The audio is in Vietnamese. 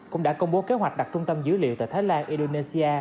cũng đã công bố kế hoạch đặt trung tâm dữ liệu tại thái lan indonesia